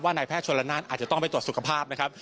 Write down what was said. นายแพทย์ชนละนานอาจจะต้องไปตรวจสุขภาพนะครับ